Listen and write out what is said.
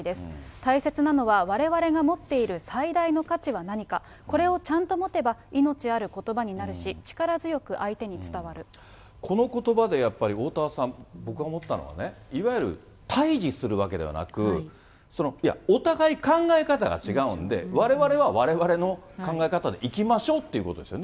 大切なのは、われわれが持っている最大の価値は何か、これをちゃんと持てば、命あることばになるし、力強く相手に伝わこのことばでやっぱり、おおたわさん、僕が思ったのはね、いわゆる対じするわけではなく、お互い考え方が違うんで、われわれはわれわれの考え方でいきましょうっていうことですよね。